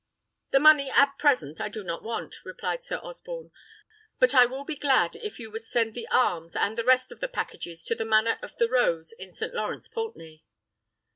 "The money, at present, I do not want," replied Sir Osborne; "but I will be glad if you would send the arms, and the rest of the packages, to the manor of the Rose, in St. Lawrence Poultney."